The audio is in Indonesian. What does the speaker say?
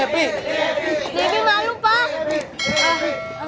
debbie malu pak